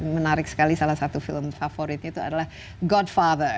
menarik sekali salah satu film favoritnya itu adalah godfather